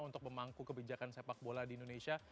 untuk memangku kebijakan sepak bola di indonesia